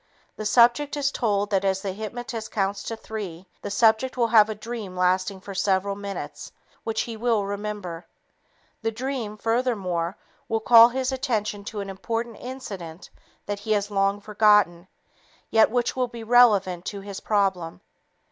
The subject is told that as the hypnotist counts to three, the subject will have a dream lasting for several minutes which he will remember. This dream, furthermore, will call his attention to an important incident that he has long forgotten, yet which will be relevant to his problem.